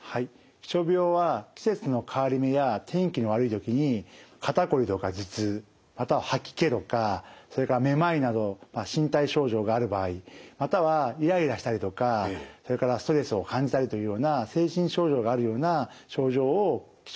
気象病は季節の変わり目や天気の悪い時に肩こりとか頭痛または吐き気とかそれからめまいなど身体症状がある場合またはイライラしたりとかそれからストレスを感じたりというような精神症状があるような症状を気象病というふうに呼んでいます。